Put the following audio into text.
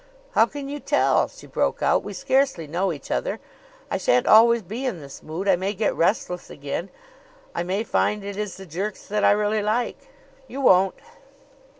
"How can you tell?" she broke out. "We scarcely know each other. I shan't always be in this mood. I may get restless again. I may find it is the jerks that I really like." "You won't!"